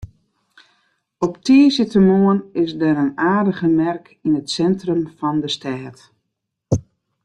Op tiisdeitemoarn is der in aardige merk yn it sintrum fan de stêd.